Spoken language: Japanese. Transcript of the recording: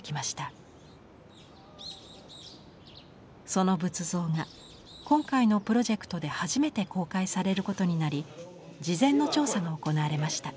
その仏像が今回のプロジェクトで初めて公開されることになり事前の調査が行われました。